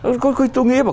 tôi nghĩ là